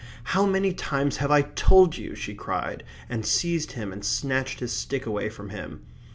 "How many times have I told you?" she cried, and seized him and snatched his stick away from him.